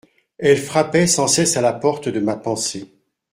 Elle frappait sans cesse à la porte de ma pensée.